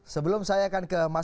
sebelum saya akan ke mas